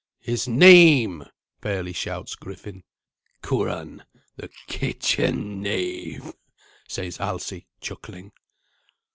"His name," fairly shouts Griffin. "Curan, the kitchen knave," says Alsi, chuckling.